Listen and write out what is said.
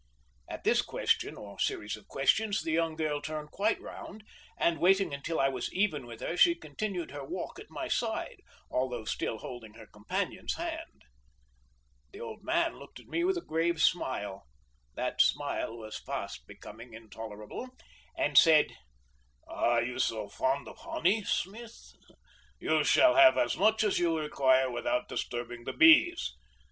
At this question, or series of questions, the young girl turned quite round, and, waiting until I was even with her, she continued her walk at my side, although still holding her companion's hand. The old man looked at me with a grave smile that smile was fast becoming intolerable and said: "Are you so fond of honey, Smith? You shall have as much as you require without disturbing the bees.